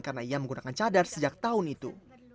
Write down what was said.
karena ia menggunakan cadar sejak tahun itu